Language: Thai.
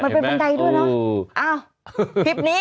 มันเป็นบันไดด้วยเนอะ